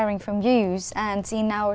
và ở trong phòng khám hôm nay